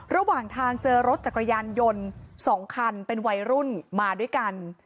ระหว่างทางเจอรถจักรยานยนต์๒คันเป็นวัยรุ่นมาด้วยกัน